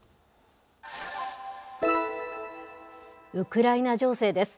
ウクライナ情勢です。